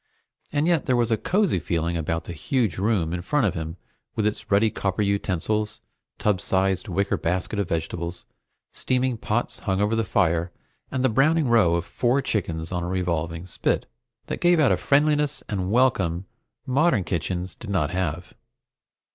And yet there was a cosy feeling about the huge room in front of him with its ruddy copper utensils, tub size wicker basket of vegetables, steaming pots hung over the fire, and the browning row of four chickens on a revolving spit, that gave out a friendliness and welcome modern kitchens did not have.